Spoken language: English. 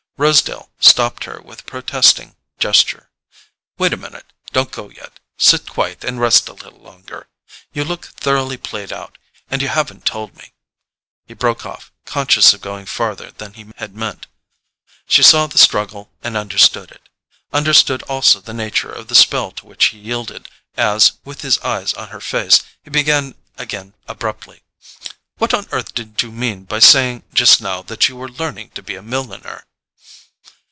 Rosedale stopped her with a protesting gesture. "Wait a minute—don't go yet; sit quiet and rest a little longer. You look thoroughly played out. And you haven't told me——" He broke off, conscious of going farther than he had meant. She saw the struggle and understood it; understood also the nature of the spell to which he yielded as, with his eyes on her face, he began again abruptly: "What on earth did you mean by saying just now that you were learning to be a milliner?"